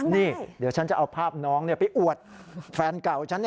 นี่เดี๋ยวฉันจะเอาภาพน้องไปอวดแฟนเก่าฉัน